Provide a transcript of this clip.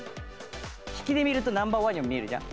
引きで見るとナンバーワンにも見えるじゃん。